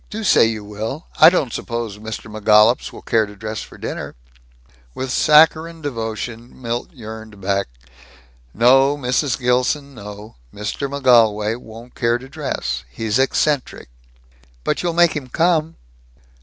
Do say you will. I don't suppose Mr. McGollups will care to dress for dinner?" With saccharin devotion Milt yearned back, "No, Mrs. Gilson. No. Mr. McGolwey won't care to dress. He's eccentric." "But you'll make him come?"